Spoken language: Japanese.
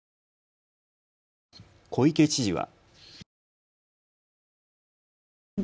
小池知事は。